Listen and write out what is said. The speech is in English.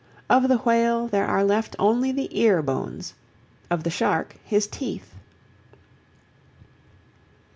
Of the whale there are left only the ear bones, of the shark his teeth.